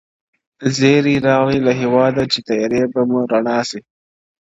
زېری راغی له هیواده چي تیارې به مو رڼا سي-